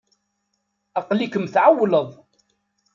Aql-ikem tɛewwleḍ.